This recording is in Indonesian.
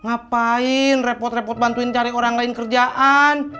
ngapain repot repot bantuin cari orang lain kerjaan